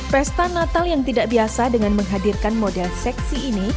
pesta natal yang tidak biasa dengan menghadirkan model seksi ini